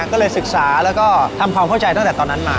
ก็เลยศึกษาแล้วก็ทำความเข้าใจตั้งแต่ตอนนั้นมา